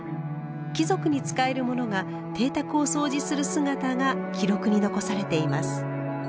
貴族に仕える者が邸宅をそうじする姿が記録に残されています。